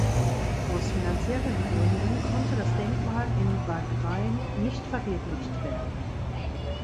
Aus finanziellen Gründen konnte das Denkmal in Wagrain nicht verwirklicht werden.